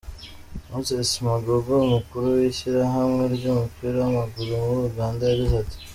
Moses Magogo, umukuru w'ishyirahamwe ry'umupira w'amaguru muri Uganda, yagize ati:.